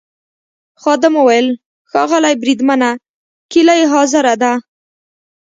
خادم وویل: ښاغلی بریدمنه کیلۍ حاضره ده.